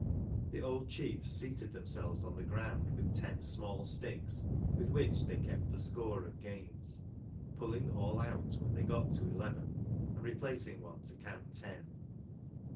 The old chiefs seated themselves on the ground with ten small sticks, with which they kept the score of games; pulling all out when they got to " eleven," and re placing one to count ten.